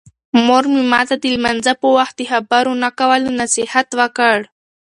مور مې ماته د لمانځه په وخت د خبرو نه کولو نصیحت وکړ.